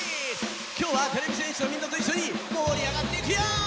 今日はてれび戦士のみんなといっしょに盛り上がっていくよ！